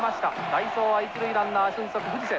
代走は一塁ランナー俊足藤瀬。